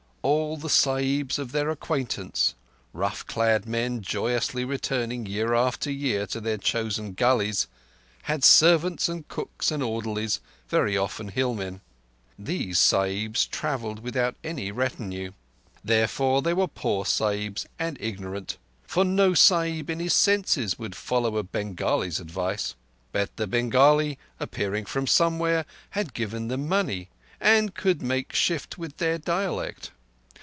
All the Sahibs of their acquaintance—rough clad men joyously returning year after year to their chosen gullies—had servants and cooks and orderlies, very often hillmen. These Sahibs travelled without any retinue. Therefore they were poor Sahibs, and ignorant; for no Sahib in his senses would follow a Bengali's advice. But the Bengali, appearing from somewhere, had given them money, and could make shift with their dialect.